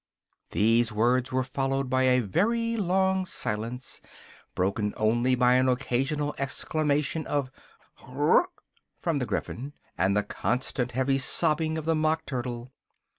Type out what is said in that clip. These words were followed by a very long silence, broken only by an occasional exclamation of "hjckrrh!" from the Gryphon, and the constant heavy sobbing of the Mock Turtle.